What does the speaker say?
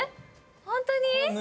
ホントに？